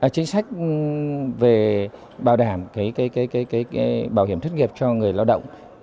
chính sách về bảo đảm bảo hiểm thất nghiệp cho người lao động